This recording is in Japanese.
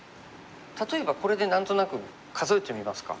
例えばこれで何となく数えてみますか。